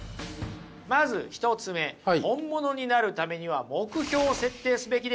まず１つ目本物になるためには目標を設定すべきである。